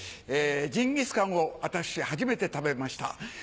ジンギスカンを私初めて食べました。